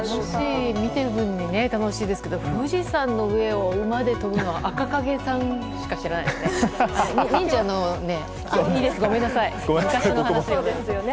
見ているだけで楽しいですけど富士山の上を馬で跳ぶのは赤影さんしか知らないですね。